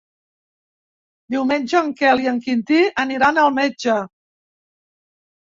Diumenge en Quel i en Quintí aniran al metge.